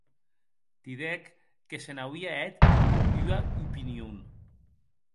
Didec que se n'auie hèt ua opinion.